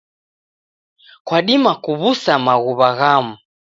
Kwadima kuw'usa maghuwa ghamu